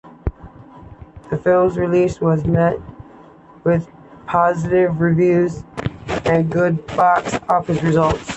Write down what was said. The film's release was met with positive reviews and good box office results.